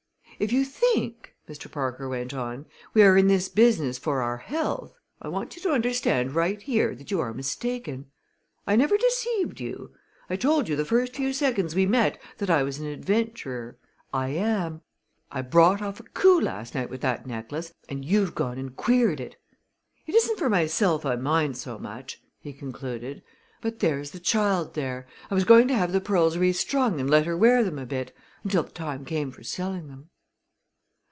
"If you think," Mr. Parker went on, "we are in this business for our health, I want you to understand right here that you are mistaken. I never deceived you. I told you the first few seconds we met that I was an adventurer. I am. I brought off a coup last night with that necklace, and you've gone and queered it! It isn't for myself I mind so much," he concluded, "but there's the child there, I was going to have the pearls restrung and let her wear them a bit until the time came for selling them."